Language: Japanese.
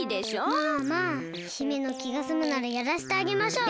まあまあ姫のきがすむならやらせてあげましょう。